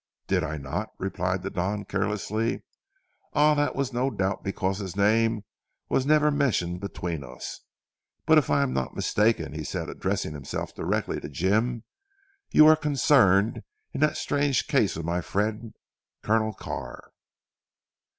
"Did I not?" replied the Don carelessly. "Ah! that was no doubt because his name was never mentioned between us. But if I am not mistaken," said he addressing himself directly to Jim, "you were concerned in that strange case of my friend Colonel Carr."